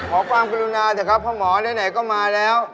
ขอความกรุณาเถอะครับเพราะหมอไหนก็มาแล้ว